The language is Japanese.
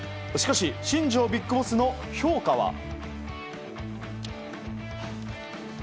しかし新庄ビッグボスの評価は。